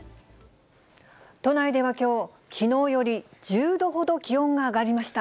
都内ではきょう、きのうより１０度ほど気温が上がりました。